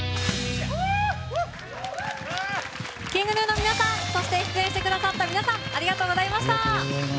ＫｉｎｇＧｎｕの皆さんそして出演してくださった皆さんありがとうございました。